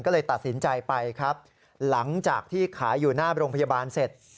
ก็เลยตัดสินใจไปครับหลังจากที่ขายอยู่หน้าโรงพยาบาลเสร็จ